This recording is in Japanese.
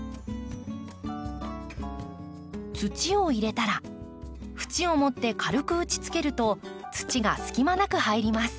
土を入れたら縁を持って軽く打ちつけると土が隙間なく入ります。